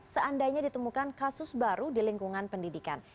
seandainya ditemukan kasus baru di lingkungan pendidikan